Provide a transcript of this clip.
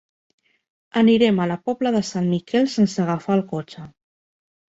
Anirem a la Pobla de Sant Miquel sense agafar el cotxe.